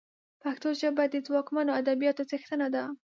پښتو ژبه د ځواکمنو ادبياتو څښتنه ده